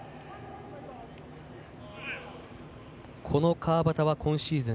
川端は今シーズン